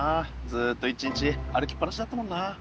ずっと１日歩きっぱなしだったもんな。